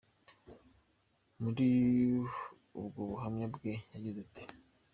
Muri ubwo buhamya bwe yagize ati: .